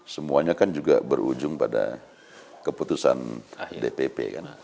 semuanya kan juga berujung pada keputusan dpp kan